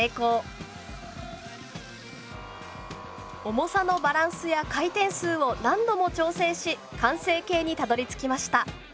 重さのバランスや回転数を何度も調整し完成形にたどりつきました。